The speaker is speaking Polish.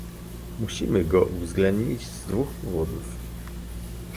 Musimy go uwzględnić z dwóch powodów